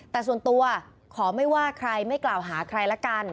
แต่ส่วนตัวขอไม่ว่าใครไม่กล่าวหาใครละกัน